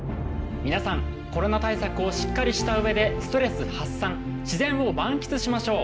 皆さんコロナ対策をしっかりしたうえでストレス発散自然を満喫しましょう。